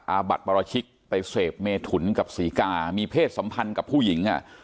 อาบัติปรชิกไปเสพเมถุนกับศรีกามีเพศสัมพันธ์กับผู้หญิงอ่ะ